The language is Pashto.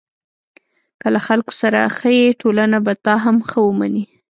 که له خلکو سره ښه یې، ټولنه به تا هم ښه ومني.